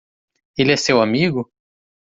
Ele é seu amigo?